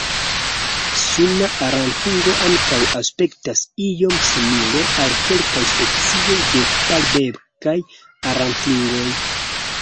Suna aratingo ankaŭ aspektas iom simile al kelkaj specioj de palbekaj aratingoj.